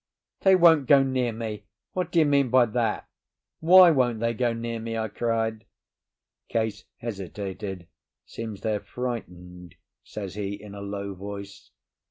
"They won't go near me? What do you mean by that? Why won't they go near me?" I cried. Case hesitated. "Seems they're frightened," says he, in a low voice.